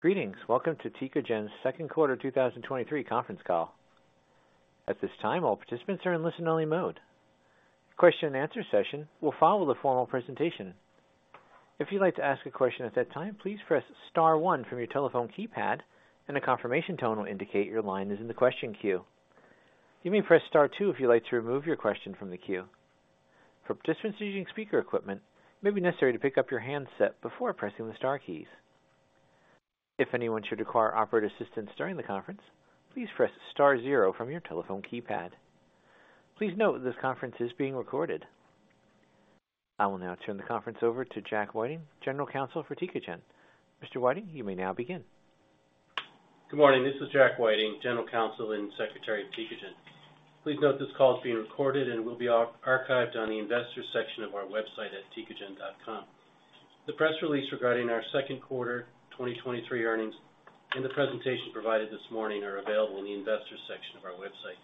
Greetings. Welcome to Tecogen's Q2 2023 conference call. At this time, all participants are in listen-only mode. Question and answer session will follow the formal presentation. If you'd like to ask a question at that time, please press star one from your telephone keypad, and a confirmation tone will indicate your line is in the question queue. You may press star two if you'd like to remove your question from the queue. For participants using speaker equipment, it may be necessary to pick up your handset before pressing the star keys. If anyone should require operator assistance during the conference, please press star zero from your telephone keypad. Please note, this conference is being recorded. I will now turn the conference over to Jack Whiting, General Counsel for Tecogen. Mr. Whiting, you may now begin. Good morning. This is Jack Whiting, General Counsel and Secretary of Tecogen. Please note, this call is being recorded and will be archived on the Investors section of our website at tecogen.com. The press release regarding our Q2 2023 earnings and the presentation provided this morning are available in the Investors section of our website.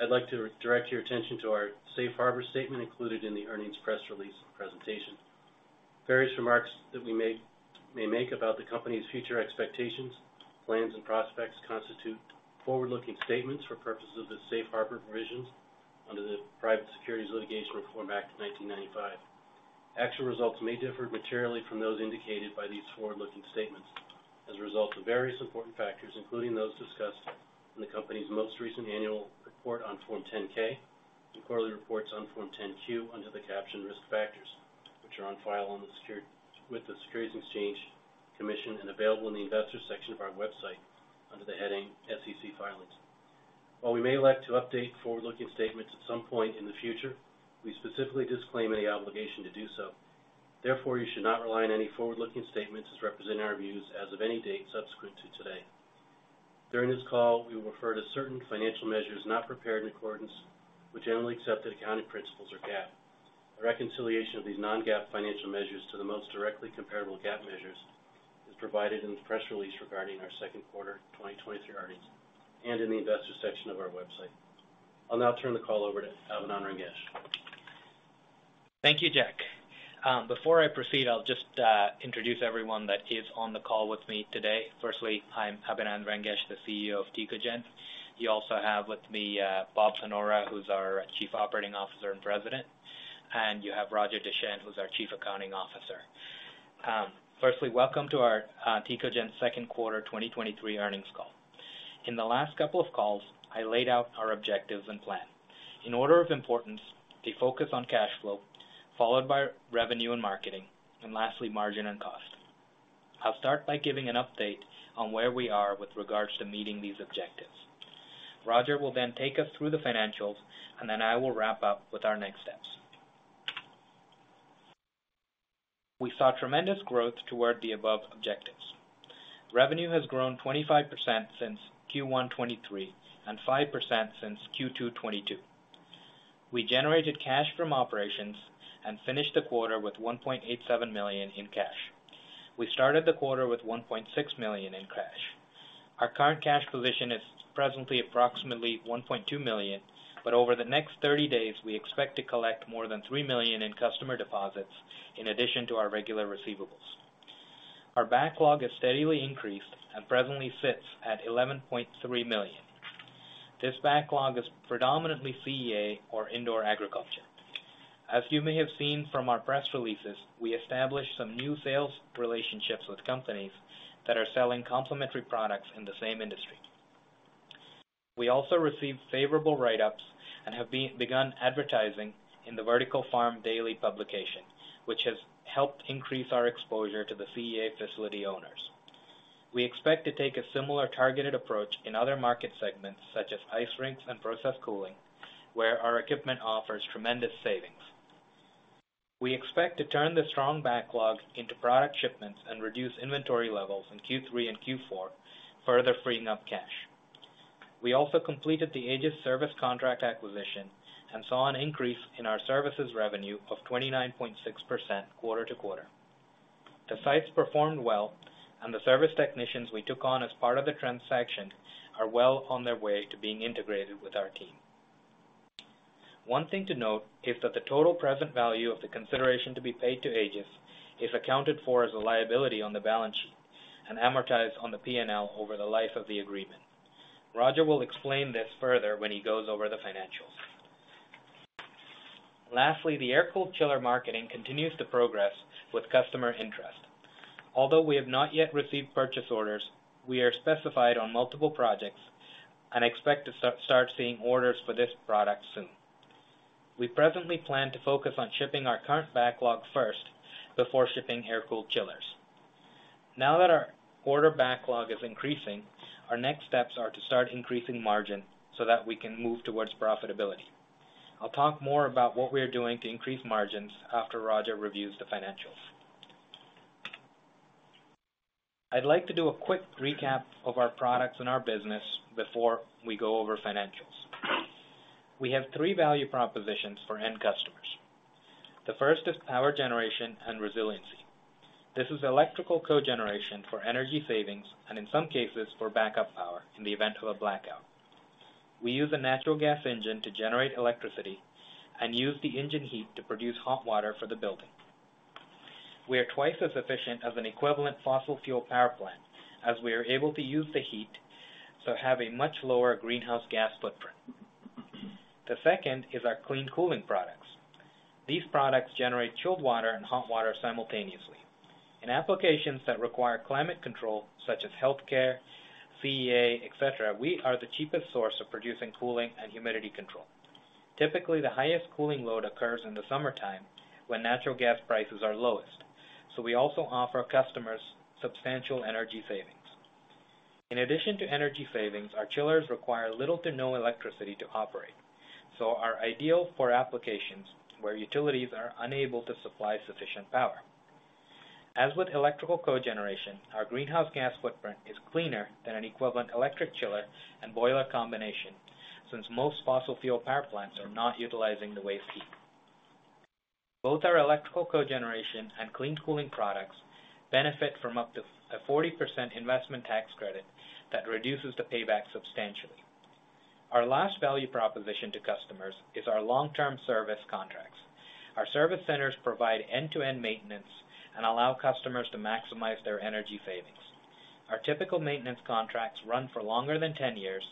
I'd like to direct your attention to our Safe Harbor statement included in the earnings press release presentation. Various remarks that we make, may make about the company's future expectations, plans, and prospects constitute forward-looking statements for purposes of the Safe Harbor provisions under the Private Securities Litigation Reform Act of 1995. Actual results may differ materially from those indicated by these forward-looking statements as a result of various important factors, including those discussed in the company's most recent annual report on Form 10-K and quarterly reports on Form 10-Q under the caption Risk Factors, which are on file with the Securities and Exchange Commission and available in the Investors section of our website under the heading SEC Filings. While we may elect to update forward-looking statements at some point in the future, we specifically disclaim any obligation to do so. Therefore, you should not rely on any forward-looking statements as representing our views as of any date subsequent to today. During this call, we will refer to certain financial measures not prepared in accordance with generally accepted accounting principles, or GAAP. A reconciliation of these non-GAAP financial measures to the most directly comparable GAAP measures is provided in the press release regarding our Q2 2023 earnings and in the Investors section of our website. I'll now turn the call over to Abinand Rangesh. Thank you, Jack. Before I proceed, I'll just introduce everyone that is on the call with me today. Firstly, I'm Abinand Rangesh, the CEO of Tecogen. You also have with me, Robert Panora, who's our Chief Operating Officer and President, and you have Roger Deschenes, who's our Chief Accounting Officer. Firstly, welcome to our Tecogen's Q2 2023 earnings call. In the last couple of calls, I laid out our objectives and plan. In order of importance, a focus on cash flow, followed by revenue and marketing, and lastly, margin and cost. I'll start by giving an update on where we are with regards to meeting these objectives. Roger will then take us through the financials, and then I will wrap up with our next steps. We saw tremendous growth toward the above objectives. Revenue has grown 25% since Q1 2023 and 5% since Q2 2022. We generated cash from operations and finished the quarter with $1.87 million in cash. We started the quarter with $1.6 million in cash. Our current cash position is presently approximately $1.2 million, over the next 30 days, we expect to collect more than $3 million in customer deposits in addition to our regular receivables. Our backlog has steadily increased and presently sits at $11.3 million. This backlog is predominantly CEA or indoor agriculture. As you may have seen from our press releases, we established some new sales relationships with companies that are selling complementary products in the same industry. We also received favorable write-ups and have begun advertising in the Vertical Farm Daily publication, which has helped increase our exposure to the CEA facility owners. We expect to take a similar targeted approach in other market segments, such as ice rinks and process cooling, where our equipment offers tremendous savings. We expect to turn the strong backlog into product shipments and reduce inventory levels in Q3 and Q4, further freeing up cash. We also completed the Aegis service contract acquisition and saw an increase in our services revenue of 29.6% quarter-over-quarter. The sites performed well, and the service technicians we took on as part of the transaction are well on their way to being integrated with our team. One thing to note is that the total present value of the consideration to be paid to Aegis is accounted for as a liability on the balance sheet and amortized on the P&L over the life of the agreement. Roger will explain this further when he goes over the financials. Lastly, the air-cooled chiller marketing continues to progress with customer interest. Although we have not yet received purchase orders, we are specified on multiple projects and expect to start seeing orders for this product soon. We presently plan to focus on shipping our current backlog first before shipping air-cooled chillers. Now that our order backlog is increasing, our next steps are to start increasing margin so that we can move towards profitability. I'll talk more about what we are doing to increase margins after Roger reviews the financials. I'd like to do a quick recap of our products and our business before we go over financials. We have three value propositions for end customers. The first is power generation and resiliency. This is electrical cogeneration for energy savings and in some cases, for backup power in the event of a blackout. We use a natural gas engine to generate electricity and use the engine heat to produce hot water for the building. We are twice as efficient as an equivalent fossil fuel power plant, as we are able to use the heat, so have a much lower greenhouse gas footprint. The second is our clean cooling products. These products generate chilled water and hot water simultaneously. In applications that require climate control, such as healthcare, CEA, et cetera, we are the cheapest source of producing cooling and humidity control. Typically, the highest cooling load occurs in the summertime, when natural gas prices are lowest. We also offer customers substantial energy savings. In addition to energy savings, our chillers require little to no electricity to operate, so are ideal for applications where utilities are unable to supply sufficient power. As with electrical cogeneration, our greenhouse gas footprint is cleaner than an equivalent electric chiller and boiler combination, since most fossil fuel power plants are not utilizing the waste heat. Both our electrical cogeneration and clean cooling products benefit from up to a 40% investment tax credit that reduces the payback substantially. Our last value proposition to customers is our long-term service contracts. Our service centers provide end-to-end maintenance and allow customers to maximize their energy savings. Our typical maintenance contracts run for longer than 10 years,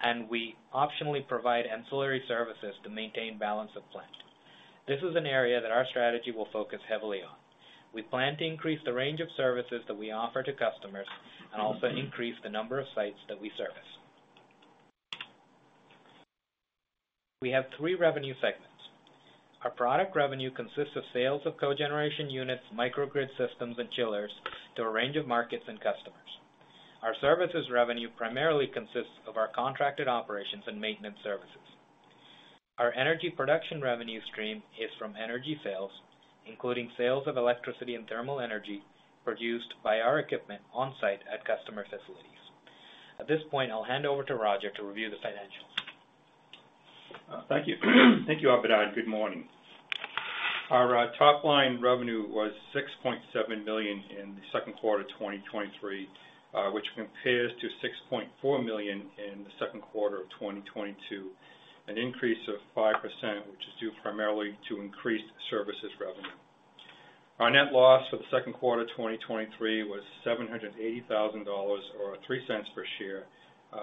and we optionally provide ancillary services to maintain balance of plant. This is an area that our strategy will focus heavily on. We plan to increase the range of services that we offer to customers and also increase the number of sites that we service. We have 3 revenue segments. Our product revenue consists of sales of cogeneration units, microgrid systems, and chillers to a range of markets and customers. Our services revenue primarily consists of our contracted operations and maintenance services. Our energy production revenue stream is from energy sales, including sales of electricity and thermal energy produced by our equipment on-site at customer facilities. At this point, I'll hand over to Roger to review the financials. Thank you. Thank you, Abinand. Good morning. Our top-line revenue was $6.7 million in the Q2 of 2023, which compares to $6.4 million in the Q2 of 2022, an increase of 5%, which is due primarily to increased services revenue. Our net loss for the Q2 of 2023 was $780,000, or $0.03 per share,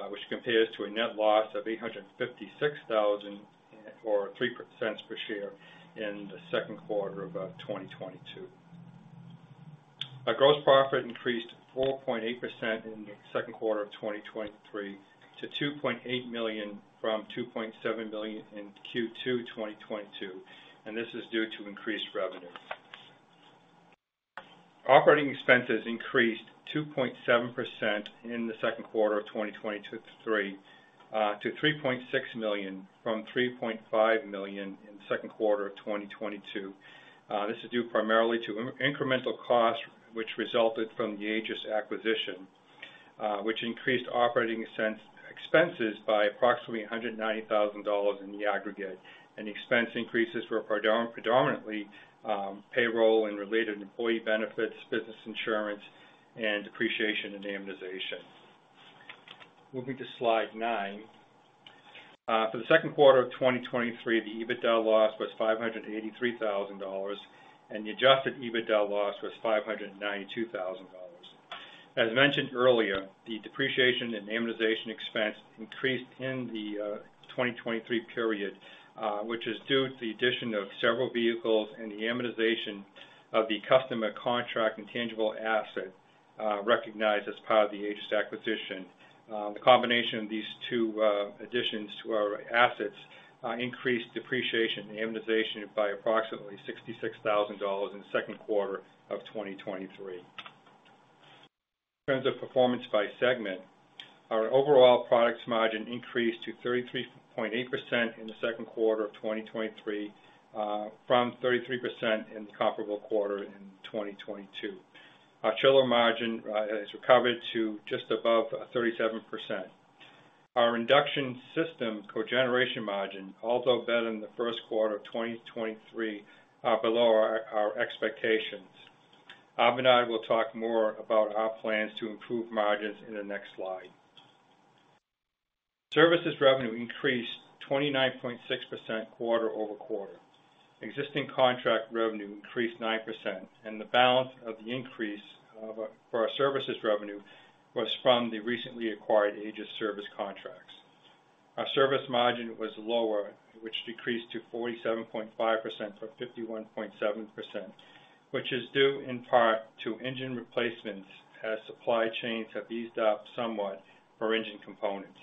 which compares to a net loss of $856,000, or $0.03 per share in the Q2 of 2022. Our gross profit increased 4.8% in the Q2 of 2023 to $2.8 million from $2.7 million in Q2 2022. This is due to increased revenue. Operating expenses increased 2.7% in the Q2 of 2023 to $3.6 million from $3.5 million in the Q2 of 2022. This is due primarily to incremental costs, which resulted from the Aegis acquisition, which increased operating expenses by approximately $190,000 in the aggregate, and expense increases were predominantly payroll and related employee benefits, business insurance, and depreciation and amortization. Moving to slide 9. For the Q2 of 2023, the EBITDA loss was $583,000, and the Adjusted EBITDA loss was $592,000. As mentioned earlier, the depreciation and amortization expense increased in the 2023 period, which is due to the addition of several vehicles and the amortization of the customer contract and tangible asset recognized as part of the Aegis acquisition. The combination of these two additions to our assets increased depreciation and amortization by approximately $66,000 in the Q2 of 2023. In terms of performance by segment, our overall products margin increased to 33.8% in the Q2 of 2023, from 33% in the comparable quarter in 2022. Our chiller margin has recovered to just above 37%. Our induction-based system cogeneration margin, although better in the Q1 of 2023, are below our, our expectations. Abinand will talk more about our plans to improve margins in the next slide. Services revenue increased 29.6% quarter-over-quarter. Existing contract revenue increased 9%, and the balance of the increase for our services revenue was from the recently acquired Aegis service contracts. Our service margin was lower, which decreased to 47.5% from 51.7%, which is due in part to engine replacements, as supply chains have eased up somewhat for engine components.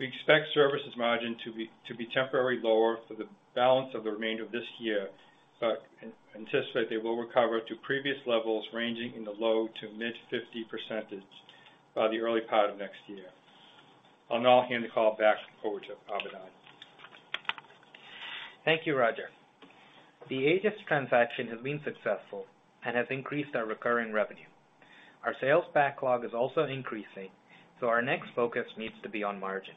We expect services margin to be temporarily lower for the balance of the remainder of this year, but anticipate they will recover to previous levels, ranging in the low to mid-50% by the early part of next year. I'll now hand the call back over to Abinand. Thank you, Roger. The Aegis transaction has been successful and has increased our recurring revenue. Our sales backlog is also increasing. Our next focus needs to be on margin.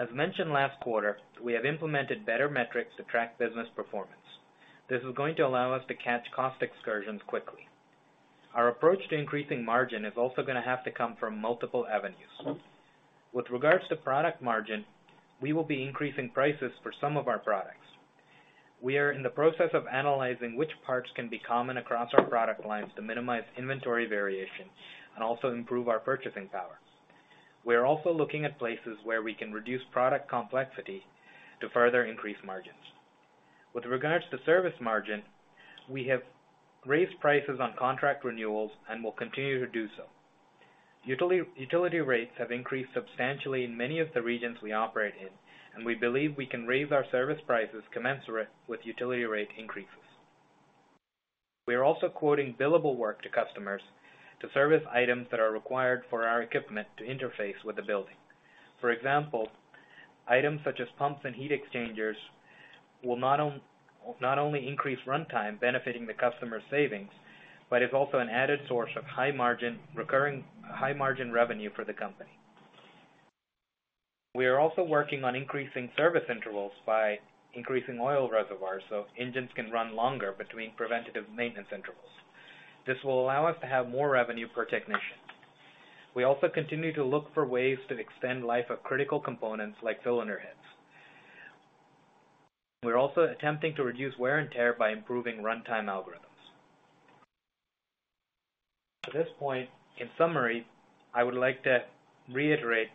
As mentioned last quarter, we have implemented better metrics to track business performance. This is going to allow us to catch cost excursions quickly. Our approach to increasing margin is also going to have to come from multiple avenues. With regards to product margin, we will be increasing prices for some of our products. We are in the process of analyzing which parts can be common across our product lines to minimize inventory variation and also improve our purchasing power. We are also looking at places where we can reduce product complexity to further increase margins. With regards to service margin, we have raised prices on contract renewals and will continue to do so. Utility, utility rates have increased substantially in many of the regions we operate in. We believe we can raise our service prices commensurate with utility rate increases. We are also quoting billable work to customers to service items that are required for our equipment to interface with the building. For example, items such as pumps and heat exchangers will not only increase runtime, benefiting the customer savings, but is also an added source of high margin, recurring high margin revenue for the company. We are also working on increasing service intervals by increasing oil reservoirs so engines can run longer between preventative maintenance intervals. This will allow us to have more revenue per technician. We also continue to look for ways to extend life of critical components like cylinder heads. We're also attempting to reduce wear and tear by improving runtime algorithms. At this point, in summary, I would like to reiterate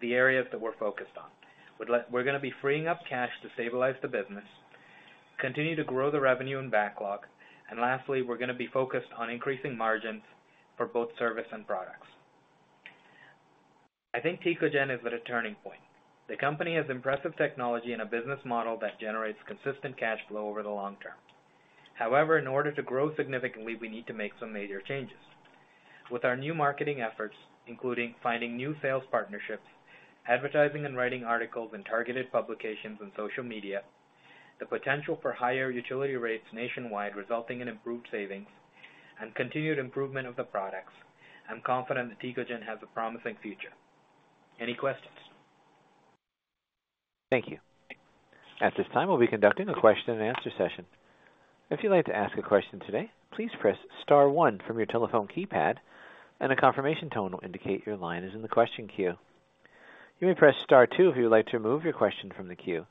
the areas that we're focused on. We're gonna be freeing up cash to stabilize the business, continue to grow the revenue and backlog, and lastly, we're gonna be focused on increasing margins for both service and products. I think Tecogen is at a turning point. The company has impressive technology and a business model that generates consistent cash flow over the long term. However, in order to grow significantly, we need to make some major changes. With our new marketing efforts, including finding new sales partnerships, advertising and writing articles in targeted publications and social media, the potential for higher utility rates nationwide, resulting in improved savings and continued improvement of the products, I'm confident that Tecogen has a promising future. Any questions? Thank you. At this time, we'll be conducting a question and answer session. If you'd like to ask a question today, please press star 1 from your telephone keypad, and a confirmation tone will indicate your line is in the question queue. You may press star 2 if you would like to remove your question from the queue.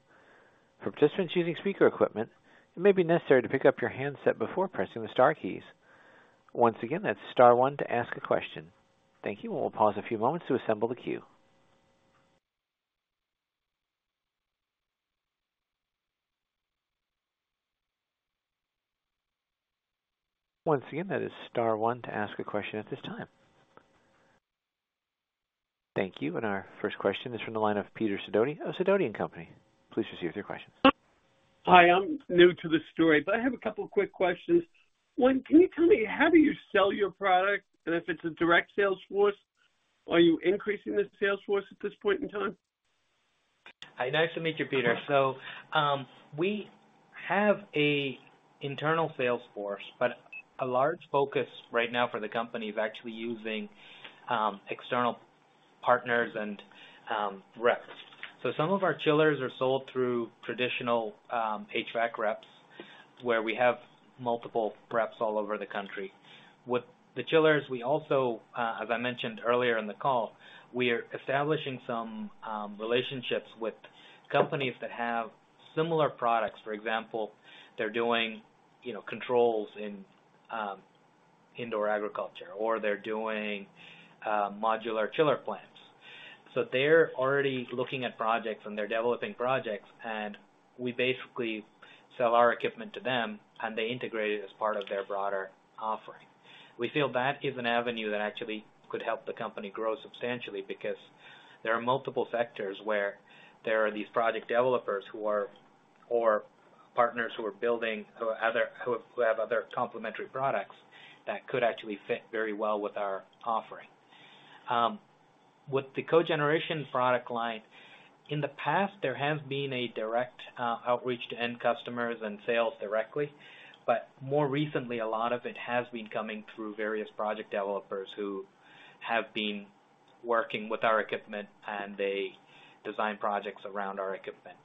For participants using speaker equipment, it may be necessary to pick up your handset before pressing the star keys. Once again, that's star 1 to ask a question. Thank you, and we'll pause a few moments to assemble the queue. Once again, that is star 1 to ask a question at this time. Thank you. Our first question is from the line of Peter Sidoni of Sidoti & Company. Please proceed with your question. Hi, I'm new to the story, but I have a couple quick questions. One, can you tell me, how do you sell your product? If it's a direct sales force, are you increasing the sales force at this point in time? Hi, nice to meet you, Peter. We have a internal sales force, but a large focus right now for the company is actually using external partners and reps. Some of our chillers are sold through traditional HVAC reps, where we have multiple reps all over the country. With the chillers, we also, as I mentioned earlier in the call, we are establishing some relationships with companies that have similar products. For example, they're doing, you know, controls in indoor agriculture, or they're doing modular chiller plants. They're already looking at projects, and they're developing projects, and we basically sell our equipment to them, and they integrate it as part of their broader offering. We feel that is an avenue that actually could help the company grow substantially, because there are multiple sectors where there are these project developers or partners who are building, who have other complementary products that could actually fit very well with our offering. With the cogeneration product line, in the past, there has been a direct outreach to end customers and sales directly. More recently, a lot of it has been coming through various project developers who have been working with our equipment, and they design projects around our equipment.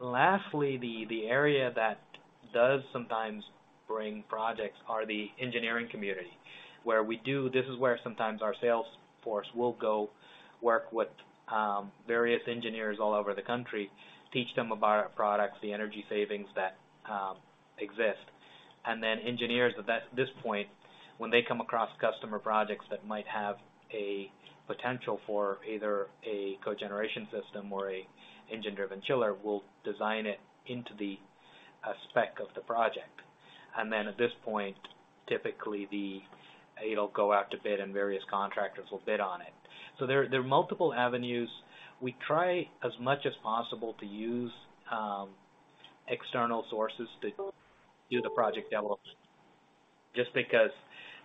Lastly, the area that does sometimes bring projects are the engineering community, where This is where sometimes our sales force will go work with various engineers all over the country, teach them about our products, the energy savings that exist. Engineers, at this point, when they come across customer projects that might have a potential for either a cogeneration system or an engine-driven chiller, will design it into the spec of the project. At this point, typically it'll go out to bid and various contractors will bid on it. There, there are multiple avenues. We try as much as possible to use external sources to do the project development, just because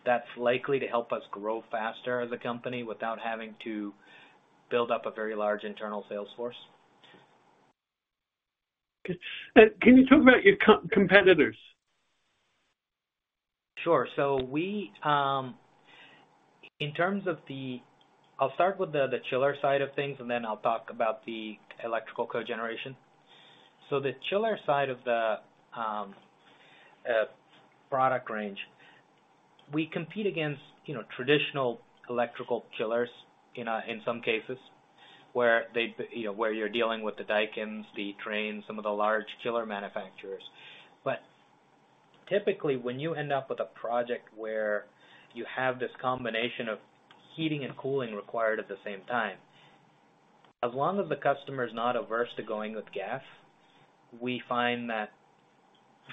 that's likely to help us grow faster as a company without having to build up a very large internal sales force. Okay. Can you talk about your competitors? Sure. In terms of the, I'll start with the, the chiller side of things, and then I'll talk about the electrical cogeneration. The chiller side of the product range, we compete against, you know, traditional electrical chillers, you know, in some cases where they, you know, where you're dealing with the Daikin, the Trane, some of the large chiller manufacturers. Typically, when you end up with a project where you have this combination of heating and cooling required at the same time, as long as the customer is not averse to going with gas, we find that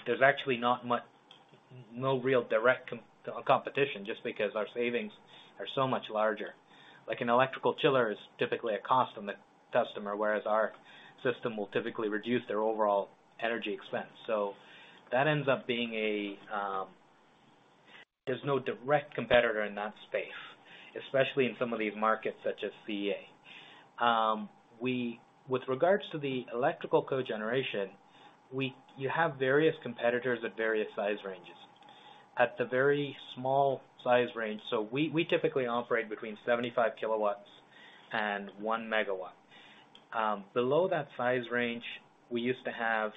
there's actually not much no real direct competition, just because our savings are so much larger. Like, an electrical chiller is typically a cost on the customer, whereas our system will typically reduce their overall energy expense. That ends up being a, there's no direct competitor in that space, especially in some of these markets, such as CEA. With regards to the electrical cogeneration, you have various competitors at various size ranges. At the very small size range. We, we typically operate between 75 kilowatts and 1 megawatt. Below that size range, we used to have,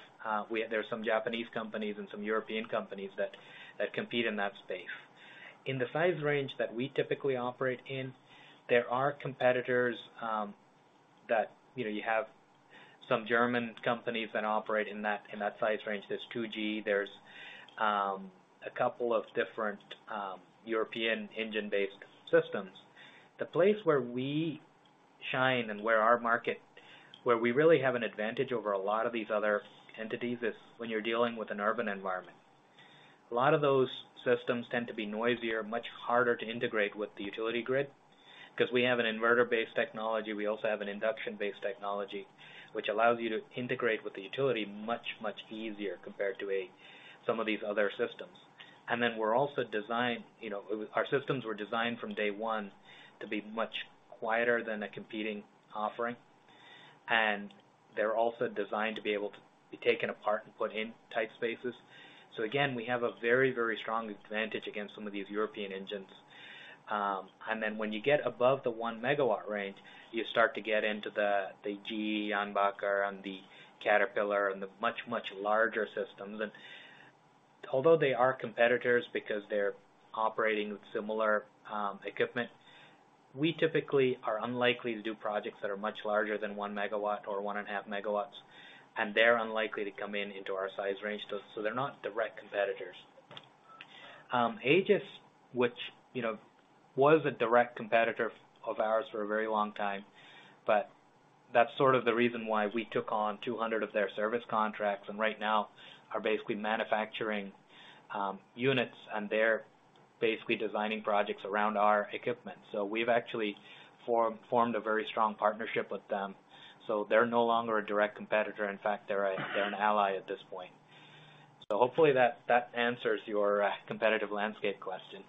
there are some Japanese companies and some European companies that, that compete in that space. In the size range that we typically operate in, there are competitors, that, you know, you have some German companies that operate in that, in that size range. There's 2G, there's a couple of different European engine-based systems. The place where we shine and where we really have an advantage over a lot of these other entities, is when you're dealing with an urban environment. A lot of those systems tend to be noisier, much harder to integrate with the utility grid. 'Cause we have an inverter-based technology, we also have an induction-based technology, which allows you to integrate with the utility much, much easier compared to some of these other systems. Then we're also designed, you know, our systems were designed from day one to be much quieter than a competing offering, and they're also designed to be able to be taken apart and put in tight spaces. Again, we have a very, very strong advantage against some of these European engines. Then when you get above the 1 megawatt range, you start to get into the, the GE, Yanmar, and the Caterpillar, and the much, much larger systems. Although they are competitors because they're operating with similar equipment, we typically are unlikely to do projects that are much larger than 1 megawatt or 1.5 megawatts, so they're not direct competitors. Aegis, which, you know, was a direct competitor of ours for a very long time, but that's sort of the reason why we took on 200 of their service contracts, and right now are basically manufacturing units, and they're basically designing projects around our equipment. We've actually formed a very strong partnership with them, so they're no longer a direct competitor. In fact, they're a, they're an ally at this point. Hopefully that, that answers your competitive landscape question.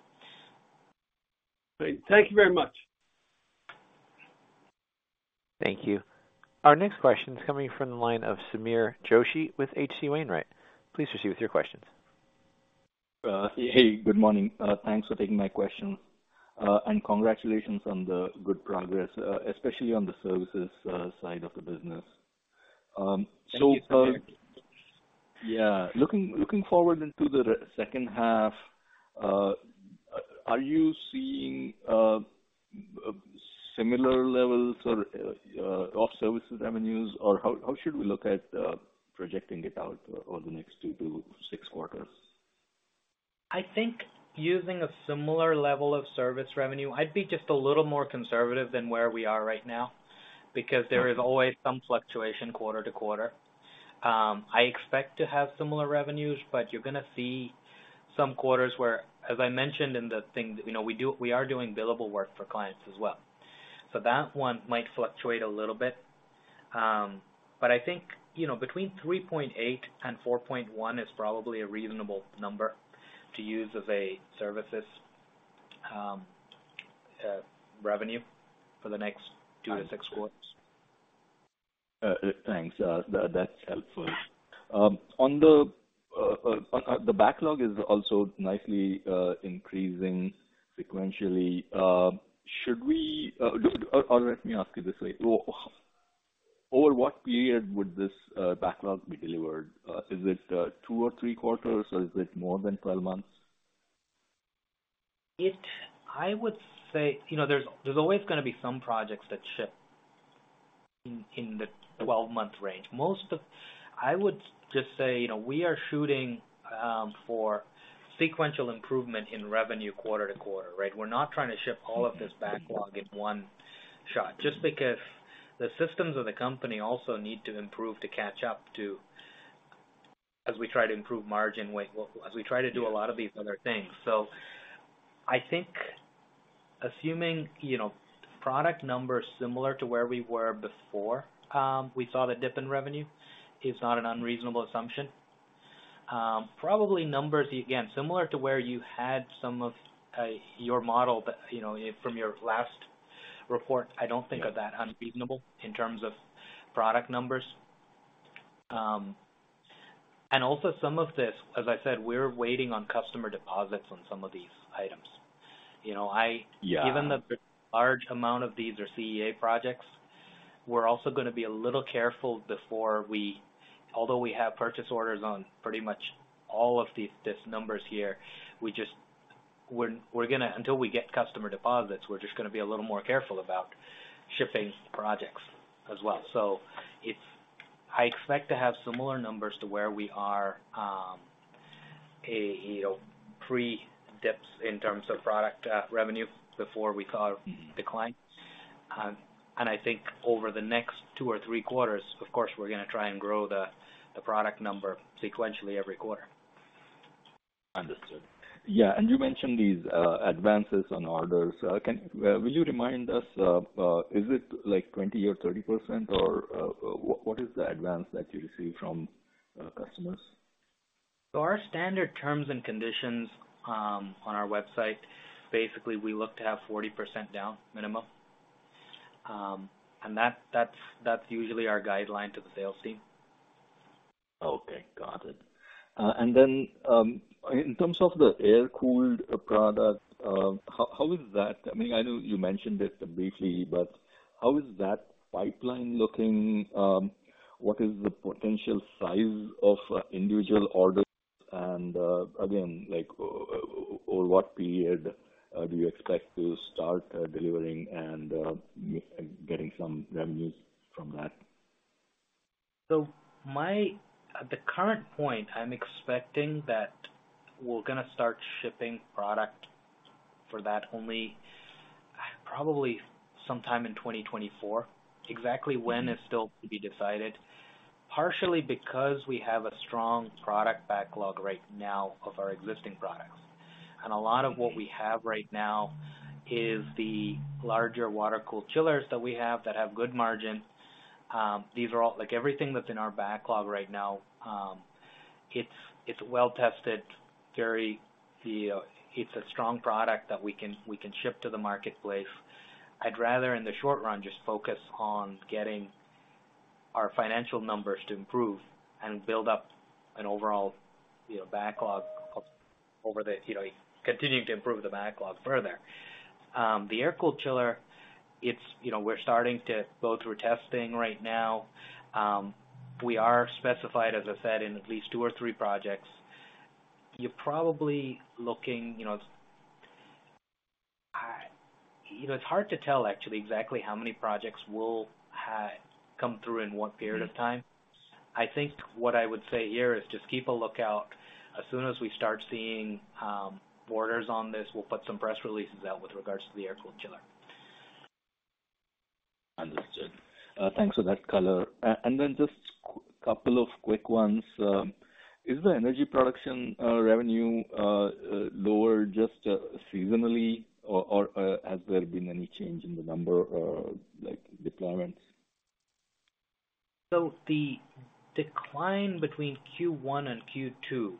Great. Thank you very much. Thank you. Our next question is coming from the line of Samir Joshi with HC Wainwright. Please proceed with your questions. Hey, good morning. Thanks for taking my question. Congratulations on the good progress, especially on the services side of the business. Thank you, Samir. Yeah. Looking, looking forward into the second half, are you seeing similar levels or of services revenues, or how, how should we look at projecting it out over the next 2-6 quarters? I think using a similar level of service revenue, I'd be just a little more conservative than where we are right now, because there is always some fluctuation quarter-to-quarter. I expect to have similar revenues, but you're gonna see some quarters where, as I mentioned in the thing, you know, we do, we are doing billable work for clients as well. That one might fluctuate a little bit. But I think, you know, between $3.8 and $4.1 is probably a reasonable number to use as a services revenue for the next 2-6 quarters. Thanks. That, that's helpful. On the, the backlog is also nicely increasing sequentially. Let me ask you this way: Over what period would this backlog be delivered? Is it two or three quarters, or is it more than 12 months? I would say, you know, there's always gonna be some projects that ship in the 12-month range. I would just say, you know, we are shooting for sequential improvement in revenue quarter to quarter, right? We're not trying to ship all of this backlog in 1 shot, just because the systems of the company also need to improve to catch up to, as we try to improve margin, as we try to do a lot of these other things. I think assuming, you know, product numbers similar to where we were before, we saw the dip in revenue, is not an unreasonable assumption. Probably numbers, again, similar to where you had some of your model, but, you know, from your last report, I don't think of that unreasonable in terms of product numbers. also some of this, as I said, we're waiting on customer deposits on some of these items. You know. Yeah. Given that the large amount of these are CEA projects, we're also gonna be a little careful before we... Although we have purchase orders on pretty much all of these, these numbers here, we're gonna until we get customer deposits, we're just gonna be a little more careful about shipping projects as well. I expect to have similar numbers to where we are, you know, pre-dips in terms of product revenue before we saw decline. I think over the next two or three quarters, of course, we're gonna try and grow the product number sequentially every quarter. Understood. Yeah, you mentioned these advances on orders. Will you remind us, is it like 20% or 30%, or what is the advance that you receive from customers? Our standard terms and conditions, on our website, basically, we look to have 40% down minimum. That, that's, that's usually our guideline to the sales team. Okay, got it. Then, in terms of the air-cooled product, how, how is that? I mean, I know you mentioned it briefly, but how is that pipeline looking? What is the potential size of individual orders? Again, over what period do you expect to start delivering and getting some revenues from that? At the current point, I'm expecting that we're gonna start shipping product for that only, probably sometime in 2024. Exactly when is still to be decided, partially because we have a strong product backlog right now of our existing products. A lot of what we have right now is the larger water-cooled chillers that we have that have good margin. like, everything that's in our backlog right now, it's, it's well-tested, very. It's a strong product that we can, we can ship to the marketplace. I'd rather, in the short run, just focus on getting our financial numbers to improve and build up an overall, you know, backlog of over the, you know, continuing to improve the backlog further. The air-cooled chiller, you know, we're starting to go through testing right now. We are specified, as I said, in at least two or three projects. You're probably looking, you know. You know, it's hard to tell actually exactly how many projects will come through in what period of time. I think what I would say here is just keep a lookout. As soon as we start seeing orders on this, we'll put some press releases out with regards to the air-cooled chiller. Understood. Thanks for that color. Just couple of quick ones. Is the energy production, revenue, lower just seasonally, or has there been any change in the number or, like, deployments? The decline between Q1 and Q2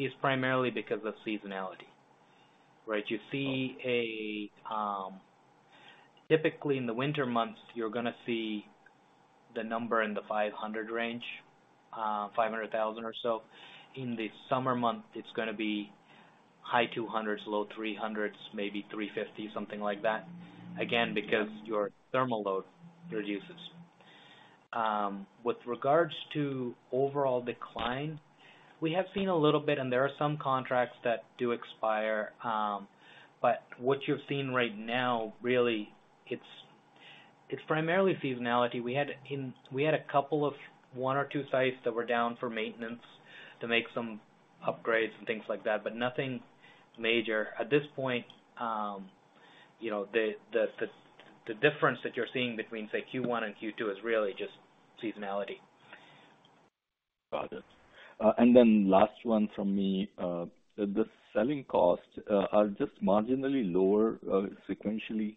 is primarily because of seasonality, right? You see a typically in the winter months, you're gonna see the number in the 500 range, $500,000 or so. In the summer months, it's gonna be high $200s, low $300s, maybe $350, something like that. Again, because your thermal load reduces. With regards to overall decline, we have seen a little bit, and there are some contracts that do expire, but what you're seeing right now, really, it's, it's primarily seasonality. We had a couple of 1 or 2 sites that were down for maintenance to make some upgrades and things like that, but nothing major. At this point, you know, the difference that you're seeing between, say, Q1 and Q2 is really just seasonality. Got it. Then last one from me. The selling costs are just marginally lower sequentially,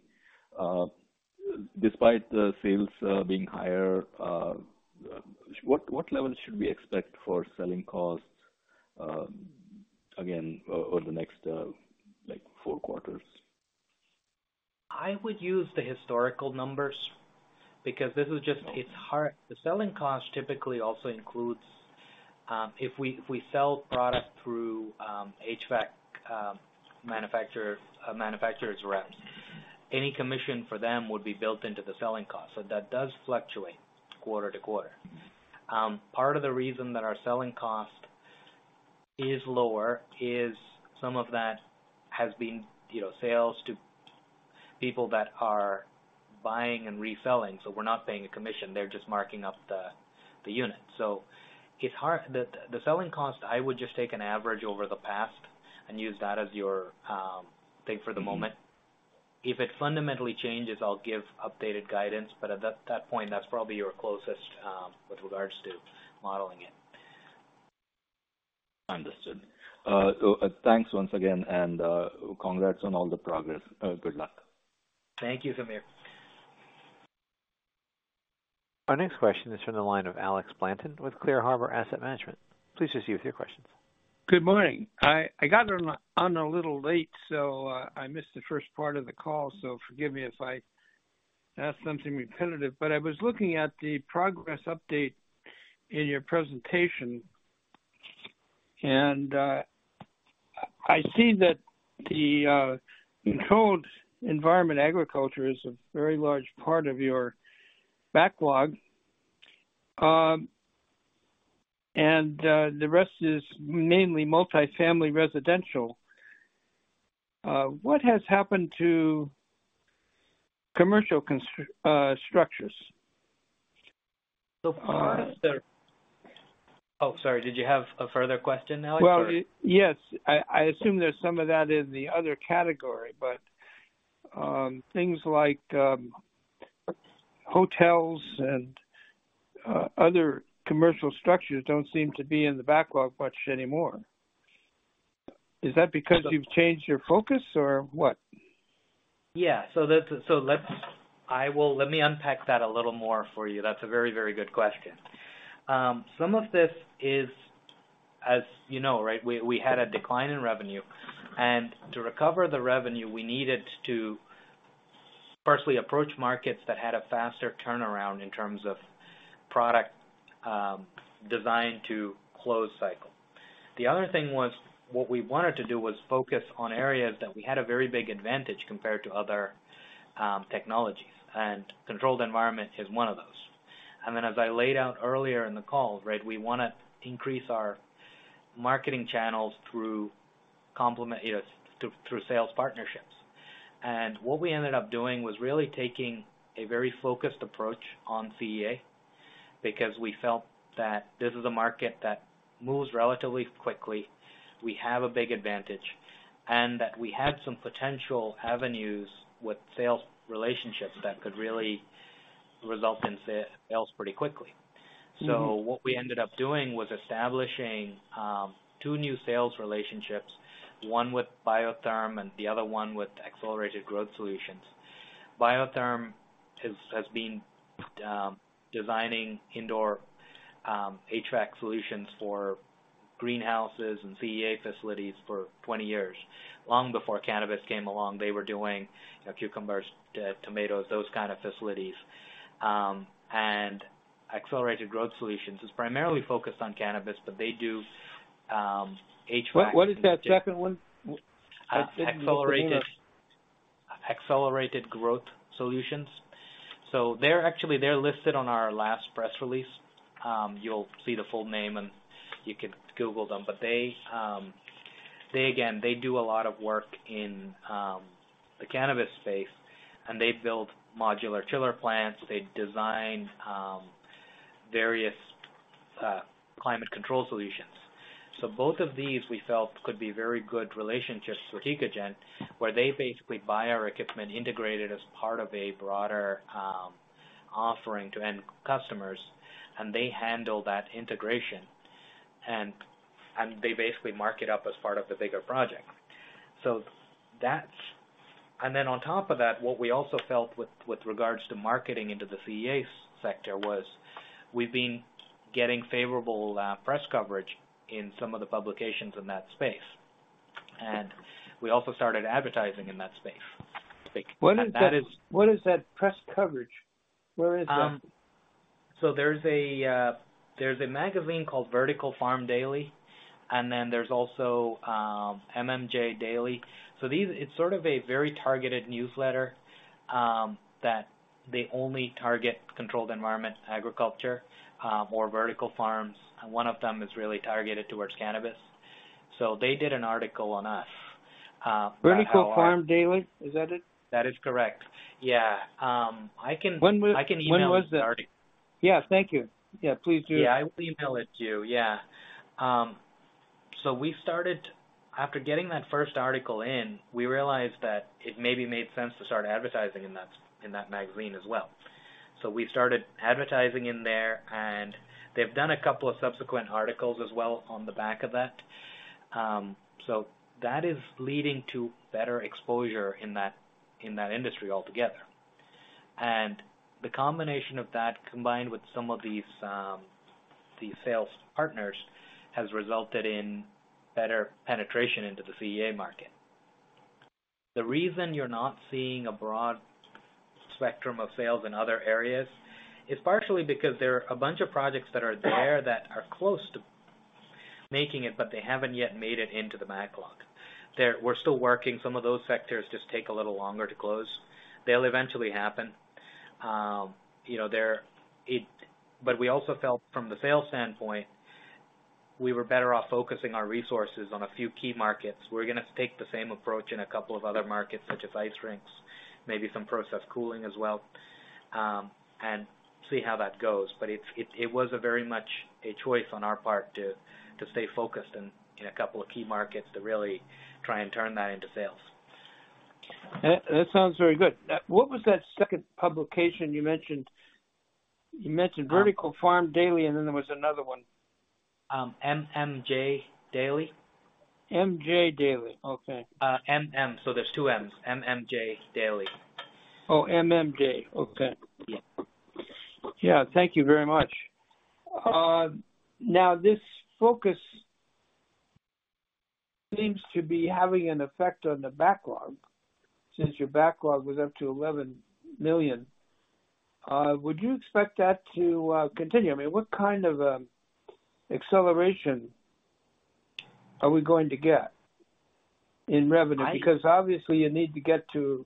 despite the sales being higher, what, what level should we expect for selling costs, again, over the next, like, 4 quarters? I would use the historical numbers because this is. Okay. it's hard... The selling cost typically also includes, if we, if we sell product through HVAC, manufacturer, a manufacturer's reps, any commission for them would be built into the selling cost. That does fluctuate quarter to quarter. Part of the reason that our selling cost is lower is some of that has been, you know, sales to people that are buying and reselling. We're not paying a commission, they're just marking up the, the unit. It's hard. The, the selling cost, I would just take an average over the past and use that as your thing for the moment. If it fundamentally changes, I'll give updated guidance, but at that, that point, that's probably your closest with regards to modeling it. Understood. Thanks once again, and, congrats on all the progress. Good luck. Thank you, Samir. Our next question is from the line of Alex Blanton with Clear Harbor Asset Management. Please just proceed with your questions. Good morning. I, I got on, on a little late, so, I missed the first part of the call, so forgive me if I ask something repetitive. I was looking at the progress update in your presentation, and, I see that the, controlled environment agriculture is a very large part of your backlog. The rest is mainly multifamily residential. What has happened to commercial structures? Oh, sorry, did you have a further question, Alex? Well, yes. I, I assume there's some of that in the other category, but, things like, hotels and, other commercial structures don't seem to be in the backlog much anymore. Is that because you've changed your focus or what? Yeah, so that's so let's I will let me unpack that a little more for you. That's a very, very good question. Some of this is, as you know, right, we, we had a decline in revenue. To recover the revenue, we needed to firstly approach markets that had a faster turnaround in terms of product designed to close cycle. The other thing was, what we wanted to do was focus on areas that we had a very big advantage compared to other technologies, and controlled environment is one of those. As I laid out earlier in the call, right, we wanna increase our marketing channels through complement, you know, through, through sales partnerships. What we ended up doing was really taking a very focused approach on CEA, because we felt that this is a market that moves relatively quickly, we have a big advantage, and that we had some potential avenues with sales relationships that could really result in sales pretty quickly. Mm-hmm. What we ended up doing was establishing, two new sales relationships, one with BioTherm and the other one with Accelerated Growth Solutions. BioTherm has, has been, designing indoor, HVAC solutions for greenhouses and CEA facilities for 20 years. Long before cannabis came along, they were doing, you know, cucumbers, tomatoes, those kind of facilities. Accelerated Growth Solutions is primarily focused on cannabis, but they do, HVAC- What, what is that second one? Accelerated. Accelerated Growth Solutions. They're actually, they're listed on our last press release. You'll see the full name, and you can Google them. They again, they do a lot of work in the cannabis space, and they build modular chiller plants. They design various climate control solutions. Both of these, we felt, could be very good relationships for Tecogen, where they basically buy our equipment integrated as part of a broader offering to end customers, and they handle that integration. They basically mark it up as part of the bigger project. That's. Then on top of that, what we also felt with, with regards to marketing into the CEA sector was, we've been getting favorable press coverage in some of the publications in that space. We also started advertising in that space. That. What is that, what is that press coverage? Where is that? There's a magazine called Vertical Farm Daily, and then there's also MMJ Daily. It's sort of a very targeted newsletter that they only target controlled environment agriculture or Vertical Farms, and one of them is really targeted towards cannabis. They did an article on us about how our. Vertical Farm Daily, is that it? That is correct. Yeah. When was. I can email it to you. Yes, thank you. Yeah, please do. Yeah, I will email it to you. Yeah. After getting that first article in, we realized that it maybe made sense to start advertising in that, in that magazine as well. We started advertising in there, and they've done a couple of subsequent articles as well on the back of that. That is leading to better exposure in that, in that industry altogether. The combination of that, combined with some of these, these sales partners, has resulted in better penetration into the CEA market. The reason you're not seeing a broad spectrum of sales in other areas is partially because there are a bunch of projects that are there that are close to making it, but they haven't yet made it into the backlog. They're— We're still working. Some of those sectors just take a little longer to close. They'll eventually happen. You know, they're, we also felt from the sales standpoint, we were better off focusing our resources on a few key markets. We're gonna take the same approach in 2 other markets, such as ice rinks, maybe some process cooling as well, and see how that goes. It's, it, it was a very much a choice on our part to stay focused in 2 key markets to really try and turn that into sales. That sounds very good. What was that second publication you mentioned? You mentioned Vertical Farm Daily, and then there was another one. MMJ Daily. MJ Daily. Okay. MM, there's two M's. MMJ Daily. Oh, MMJ. Okay. Yeah. Yeah, thank you very much. Now, this focus seems to be having an effect on the backlog, since your backlog was up to $11 million. Would you expect that to continue? I mean, what kind of acceleration are we going to get in revenue? Because obviously you need to get to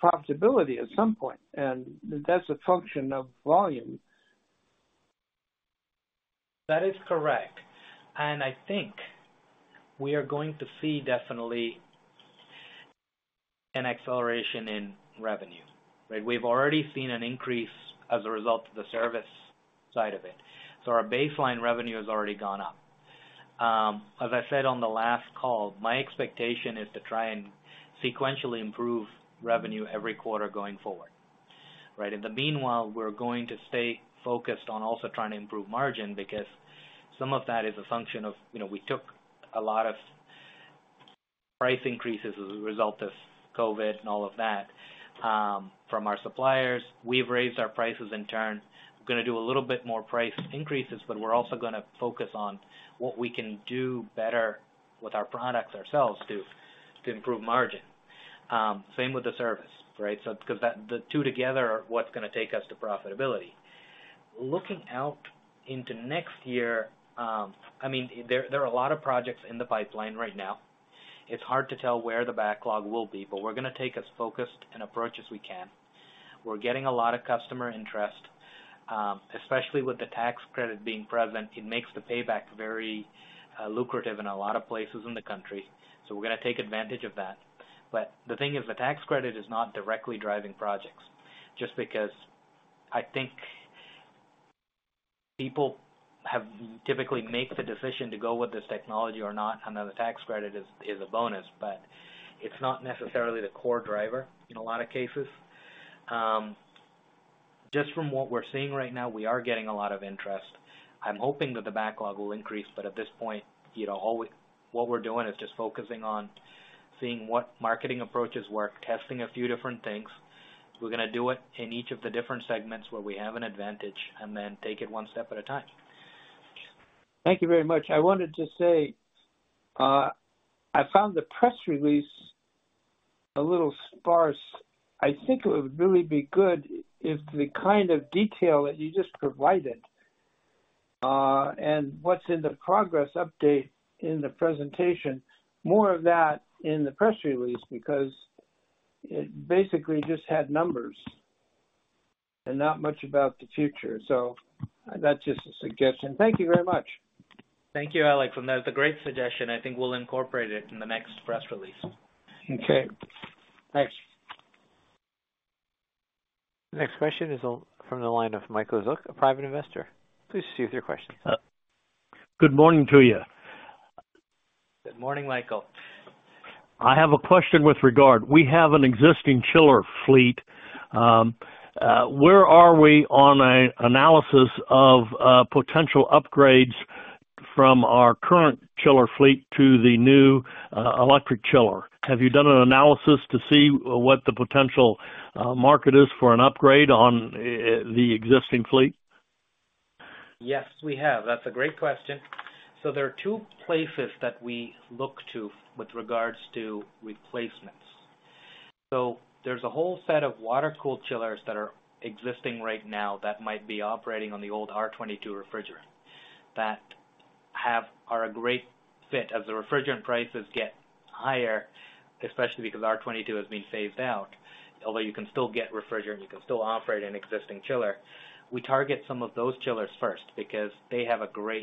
profitability at some point, and that's a function of volume. That is correct. I think we are going to see definitely an acceleration in revenue, right? We've already seen an increase as a result of the service side of it. Our baseline revenue has already gone up. As I said on the last call, my expectation is to try and sequentially improve revenue every quarter going forward, right? In the meanwhile, we're going to stay focused on also trying to improve margin, because some of that is a function of, you know, we took a lot of price increases as a result of COVID and all of that from our suppliers. We've raised our prices in turn. We're gonna do a little bit more price increases, but we're also gonna focus on what we can do better with our products ourselves to, to improve margin. Same with the service, right? Because that— the two together are what's gonna take us to profitability. Looking out into next year, I mean, there, there are a lot of projects in the pipeline right now. It's hard to tell where the backlog will be, but we're gonna take as focused an approach as we can. We're getting a lot of customer interest, especially with the tax credit being present, it makes the payback very lucrative in a lot of places in the country, so we're gonna take advantage of that. The thing is, the tax credit is not directly driving projects, just because I think people have typically make the decision to go with this technology or not, and then the tax credit is, is a bonus, but it's not necessarily the core driver in a lot of cases. Just from what we're seeing right now, we are getting a lot of interest. I'm hoping that the backlog will increase. At this point, you know, what we're doing is just focusing on seeing what marketing approaches work, testing a few different things. We're gonna do it in each of the different segments where we have an advantage. Then take it 1 step at a time. Thank you very much. I wanted to say, I found the press release a little sparse. I think it would really be good if the kind of detail that you just provided, and what's in the progress update in the presentation, more of that in the press release, because it basically just had numbers and not much about the future. That's just a suggestion. Thank you very much. Thank you, Alex. That's a great suggestion. I think we'll incorporate it in the next press release. Okay, thanks. Next question is on. From the line of Michael Zook, a private investor. Please proceed with your question. Good morning to you. Good morning, Michael. I have a question with regard. We have an existing chiller fleet. Where are we on an analysis of potential upgrades from our current chiller fleet to the new electric chiller? Have you done an analysis to see what the potential market is for an upgrade on the existing fleet? Yes, we have. That's a great question. There are two places that we look to with regards to replacements. There's a whole set of water-cooled chillers that are existing right now that might be operating on the old R22 refrigerant, that are a great fit. As the refrigerant prices get higher, especially because R22 is being phased out, although you can still get refrigerant, you can still operate an existing chiller. We target some of those chillers first because they have a great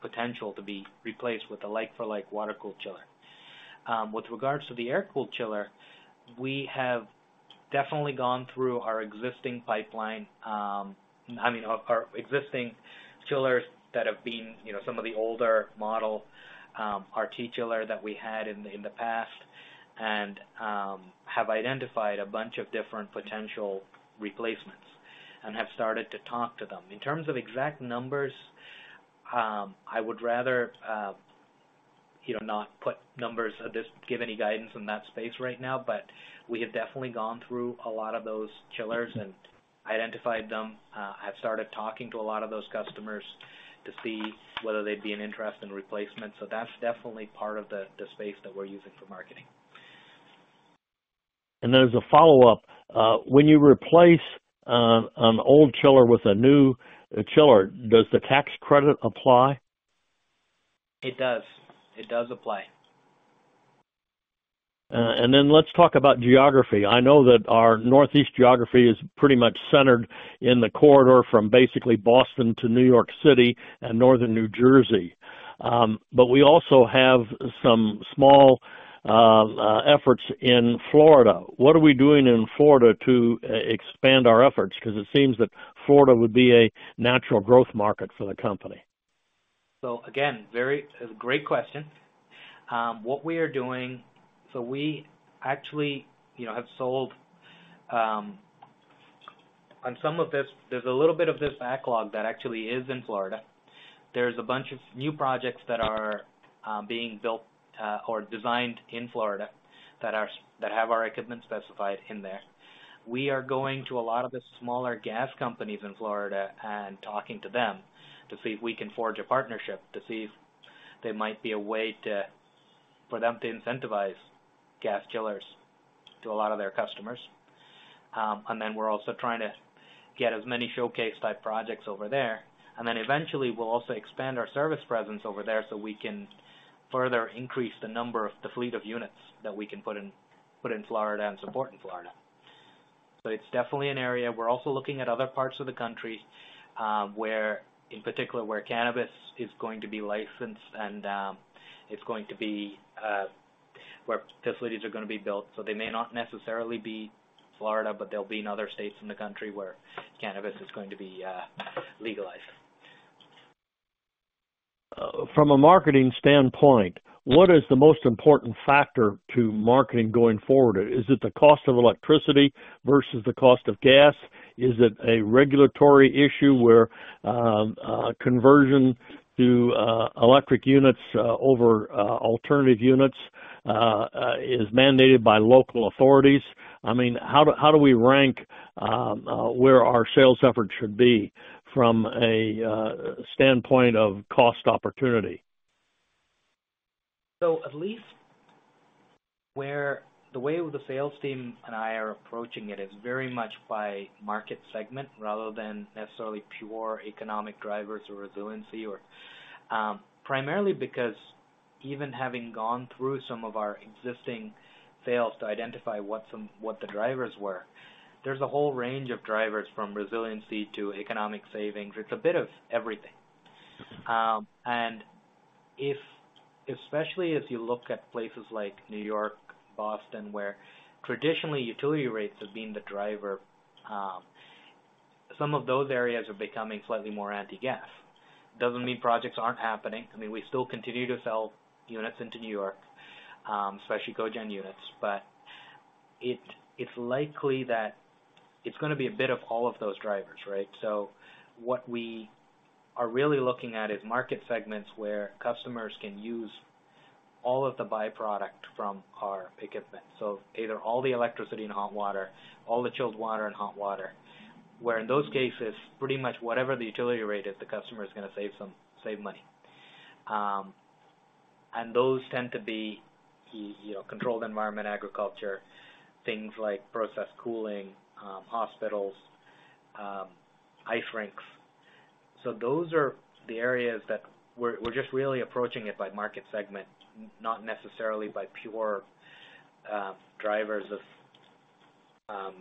potential to be replaced with a like-for-like water-cooled chiller. With regards to the air-cooled chiller, we have definitely gone through our existing pipeline, I mean, our, our existing chillers that have been, you know, some of the older model, RT chiller that we had in, in the past, and have identified a bunch of different potential replacements and have started to talk to them. In terms of exact numbers, I would rather, you know, not put numbers or just give any guidance in that space right now. We have definitely gone through a lot of those chillers and identified them, have started talking to a lot of those customers to see whether they'd be an interest in replacement. That's definitely part of the, the space that we're using for marketing. As a follow-up, when you replace an old chiller with a new chiller, does the tax credit apply? It does. It does apply. Then let's talk about geography. I know that our Northeast geography is pretty much centered in the corridor from basically Boston to New York City and Northern New Jersey. We also have some small efforts in Florida. What are we doing in Florida to expand our efforts? Because it seems that Florida would be a natural growth market for the company. Again, very, a great question. What we are doing, so we actually, you know, have sold, on some of this, there's a little bit of this backlog that actually is in Florida. There's a bunch of new projects that are being built or designed in Florida that have our equipment specified in there. We are going to a lot of the smaller gas companies in Florida and talking to them to see if we can forge a partnership, to see if there might be a way to, for them to incentivize gas chillers to a lot of their customers. And then we're also trying to get as many showcase-type projects over there. Then eventually, we'll also expand our service presence over there, so we can further increase the number of the fleet of units that we can put in, put in Florida and support in Florida. It's definitely an area. We're also looking at other parts of the country, where, in particular, where cannabis is going to be licensed and it's going to be where facilities are gonna be built. They may not necessarily be Florida, but they'll be in other states in the country where cannabis is going to be legalized. From a marketing standpoint, what is the most important factor to marketing going forward? Is it the cost of electricity versus the cost of gas? Is it a regulatory issue where conversion to electric units over alternative units is mandated by local authorities? I mean, how do, how do we rank where our sales effort should be from a standpoint of cost opportunity? At least the way the sales team and I are approaching it is very much by market segment rather than necessarily pure economic drivers or resiliency or. Primarily because even having gone through some of our existing sales to identify what the drivers were, there's a whole range of drivers, from resiliency to economic savings. It's a bit of everything. And if, especially if you look at places like New York, Boston, where traditionally utility rates have been the driver, some of those areas are becoming slightly more anti-gas. Doesn't mean projects aren't happening. I mean, we still continue to sell units into New York, especially cogeneration units. It's likely that it's gonna be a bit of all of those drivers, right? What we are really looking at is market segments where customers can use all of the byproducts from our equipment. Either all the electricity and hot water, all the chilled water and hot water, where in those cases, pretty much whatever the utility rate is, the customer is gonna save money. And those tend to be, you know, controlled environment agriculture, things like process cooling, hospitals, ice rinks. Those are the areas that we're, we're just really approaching it by market segment, not necessarily by pure drivers of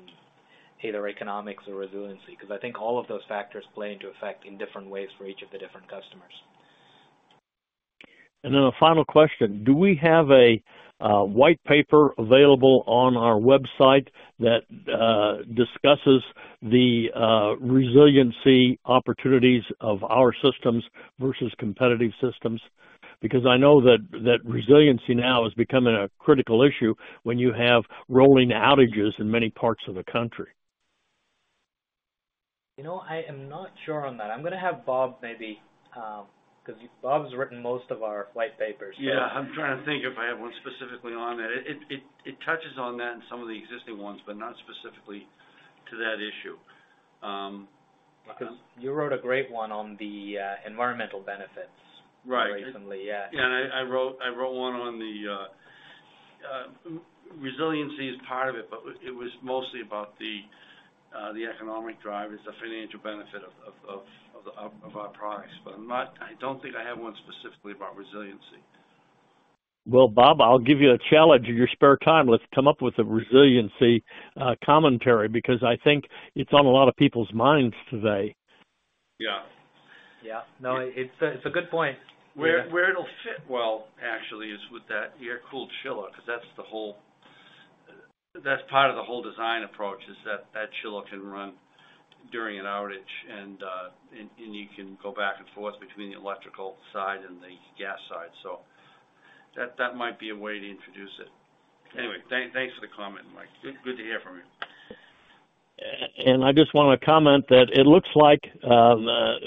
either economics or resiliency, because I think all of those factors play into effect in different ways for each of the different customers. A final question: Do we have a white paper available on our website that discusses the resiliency opportunities of our systems versus competitive systems? I know that resiliency now is becoming a critical issue when you have rolling outages in many parts of the country. You know, I am not sure on that. I'm gonna have Bob, maybe, because Bob's written most of our white papers. Yeah, I'm trying to think if I have one specifically on it. It touches on that in some of the existing ones, but not specifically to that issue, because- You wrote a great one on the, environmental benefits. Right. Recently, yeah. Yeah, I, I wrote, I wrote one on the. Resiliency is part of it, but it, it was mostly about the economic drivers, the financial benefit of, of, of, of, of our products. I'm not, I don't think I have one specifically about resiliency. Well, Bob, I'll give you a challenge. In your spare time, let's come up with a resiliency commentary, because I think it's on a lot of people's minds today. Yeah. Yeah. No, it's a, it's a good point. Where, where it'll fit well, actually, is with that air-cooled chiller, because that's the whole, that's part of the whole design approach, is that that chiller can run during an outage, and you can go back and forth between the electrical side and the gas side. That, that might be a way to introduce it. Anyway, thanks for the comment, Mike. Good, good to hear from you. I just want to comment that it looks like,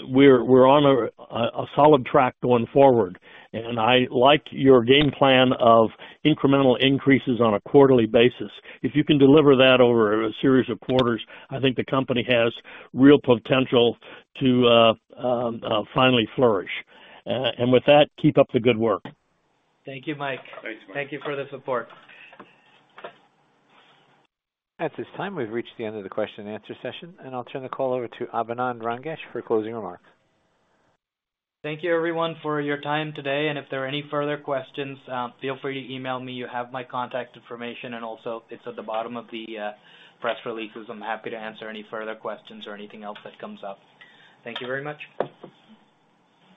we're, we're on a solid track going forward, and I like your game plan of incremental increases on a quarterly basis. If you can deliver that over a series of quarters, I think the company has real potential to finally flourish. With that, keep up the good work. Thank you, Mike. Thanks, Mike. Thank you for the support. At this time, we've reached the end of the question and answer session, and I'll turn the call over to Abinand Rangesh for closing remarks. Thank you, everyone, for your time today. If there are any further questions, feel free to email me. You have my contact information. Also, it's at the bottom of the press release. I'm happy to answer any further questions or anything else that comes up. Thank you very much.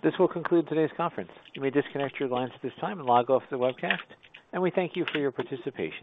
This will conclude today's conference. You may disconnect your lines at this time and log off the webcast. We thank you for your participation.